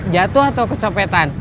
jatuh atau kecopetan